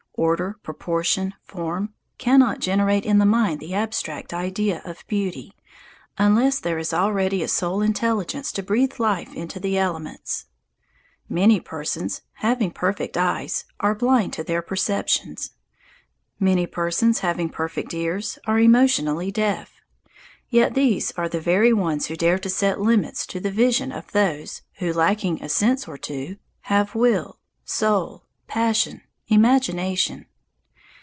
Order, proportion, form, cannot generate in the mind the abstract idea of beauty, unless there is already a soul intelligence to breathe life into the elements. Many persons, having perfect eyes, are blind in their perceptions. Many persons, having perfect ears, are emotionally deaf. Yet these are the very ones who dare to set limits to the vision of those who, lacking a sense or two, have will, soul, passion, imagination.